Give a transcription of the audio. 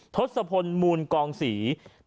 ทศพลมูลกองศรี